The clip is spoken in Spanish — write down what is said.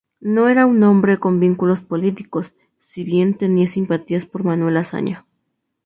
No era un hombre con vínculos políticos, si bien tenía simpatías por Manuel Azaña.